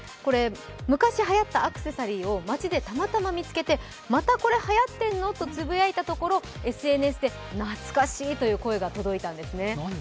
昔はやったアクセサリーを街でたまたま見つけてまたこれ流行ってんの！？！？とつぶやいたところ、ＳＮＳで懐かしいという声が届いたんですね。